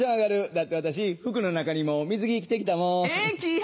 だって私服の中にもう水着着て来たもん。